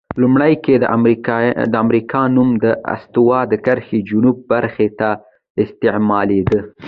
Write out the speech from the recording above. لومړیو کې د امریکا نوم د استوا د کرښې جنوب برخې ته استعمالیده.